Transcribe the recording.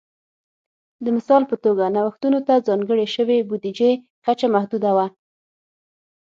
د مثال په توګه نوښتونو ته ځانګړې شوې بودیجې کچه محدوده وه